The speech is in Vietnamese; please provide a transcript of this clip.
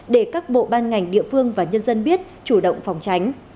để các bộ ban ngành địa phương và nhân dân biết chủ động phòng tránh